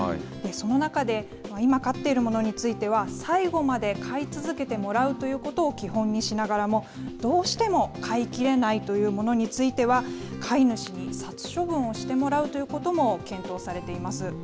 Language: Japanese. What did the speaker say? その中で、今飼っているものについては、最後まで飼い続けてもらうということを基本にしながらも、どうしても飼いきれないというものについては、飼い主に殺処分をしてもらうということも検討されています。